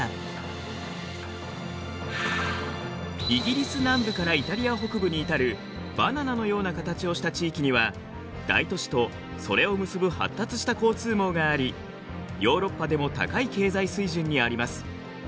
イギリス南部からイタリア北部に至るバナナのような形をした地域には大都市とそれを結ぶ発達した交通網がありヨーロッパでも高い経済水準にあります。